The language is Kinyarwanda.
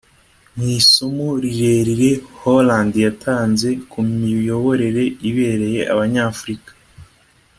Mu isomo rirerire Hollande yatanze ku miyoborere ibereye Abanyafurika